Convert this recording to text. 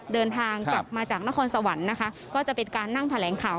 เดินทางกลับมาจากนครสวรรค์นะคะก็จะเป็นการนั่งแถลงข่าว